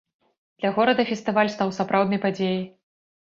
Для горада фестываль стаў сапраўднай падзеяй.